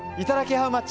ハウマッチ